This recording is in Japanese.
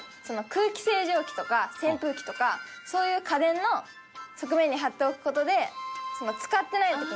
空気清浄機とか扇風機とかそういう家電の側面に貼っておく事で。